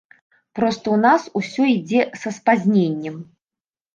Проста ў нас усё ідзе са спазненнем.